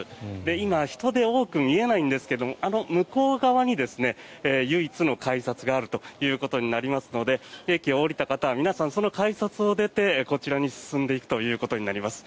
今、人で多く見えないんですがあの向こう側に唯一の改札があるということになりますので駅を下りた方は皆さん、その改札を出てこちらに進んでいくということになります。